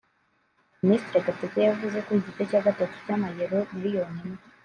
Ministiri Gatete yavuze ko igice cya gatatu cy’amayero miliyoni imwe